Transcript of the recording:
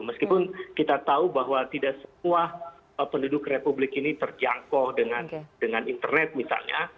meskipun kita tahu bahwa tidak semua penduduk republik ini terjangkau dengan internet misalnya